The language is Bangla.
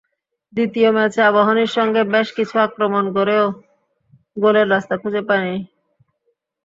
দ্বিতীয় ম্যাচে আবাহনীর সঙ্গে বেশ কিছু আক্রমণ গড়েও গোলের রাস্তা খুঁজে পায়নি।